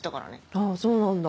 あそうなんだ。